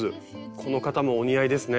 この方もお似合いですね。